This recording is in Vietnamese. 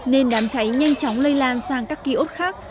nên đám cháy nhanh chóng lây lan sang các kiosk khác